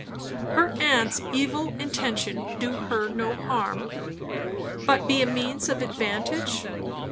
Her aunt's evil intention do her no harm, but be a means of advantage?